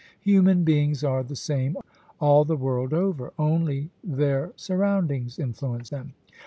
Human beings are the same all the world over ; only their surroundings influence them.